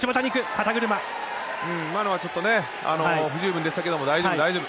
今のは不十分でしたけど大丈夫、大丈夫。